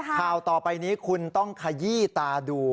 ข่าวต่อไปนี้คุณต้องขยี้ตาดู